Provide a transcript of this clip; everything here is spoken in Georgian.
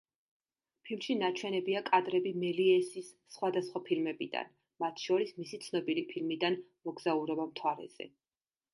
ფილმში ნაჩვენებია კადრები მელიესის სხვადასხვა ფილმებიდან, მათ შორის მისი ცნობილის ფილმიდან „მოგზაურობა მთვარეზე“.